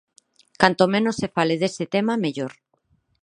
Canto menos se fale dese tema mellor.